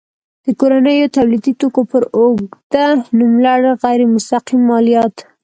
د کورنیو تولیدي توکو پر اوږده نوملړ غیر مستقیم مالیات.